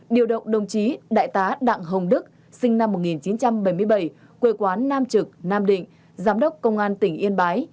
điều động đồng chí đại tá đặng hồng đức sinh năm một nghìn chín trăm bảy mươi bảy quê quán nam trực nam định giám đốc công an tỉnh yên bái